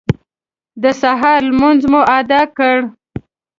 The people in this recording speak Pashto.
د سهار لمونځ مو اداء کړ.